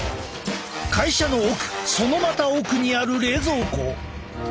会社の奥そのまた奥にある冷蔵庫。